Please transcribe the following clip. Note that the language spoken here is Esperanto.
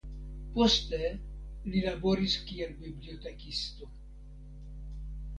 Poste li laboris kiel bibliotekisto.